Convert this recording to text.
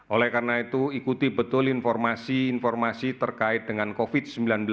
oleh karena itu ikuti betul informasi informasi terkait dengan covid sembilan belas